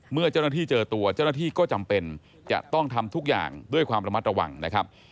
เมื่อเจ้าหน้าที่เจอตัวเจ้าหน้าที่ก็จำเป็นจะต้องทำทุกอย่างด้วยความระมัดระวังนะครับ